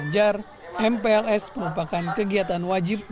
mudah juga bertumbuh di dalam kegiatan keadilan dan kegiatan keadilan